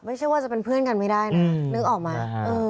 ไม่ใช่ว่าจะเป็นเพื่อนกันไม่ได้นะนึกออกมา